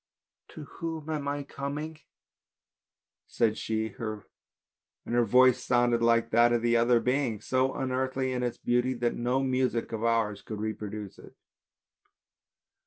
" To whom am I coming? " said she, and her voice sounded like that of the other beings, so unearthly in its beauty that no music of ours could reproduce it.